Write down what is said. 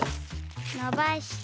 のばして。